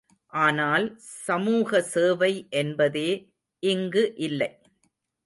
ஆனால் சமூக சேவை என்பதே இங்கு இல்லை.